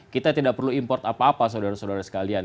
kita tidak perlu import apa apa saudara saudara sekalian